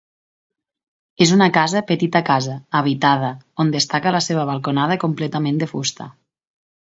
És una casa petita casa, habitada, on destaca la seva balconada completament de fusta.